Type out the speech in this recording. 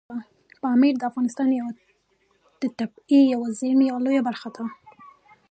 پامیر د افغانستان د طبیعي زیرمو یوه لویه برخه ده.